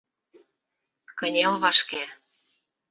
Кынел вашке.